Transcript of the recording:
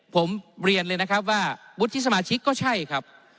ผมเรียนเลยนะครับว่าวุฒิสมาชิกก็ใช่ครับ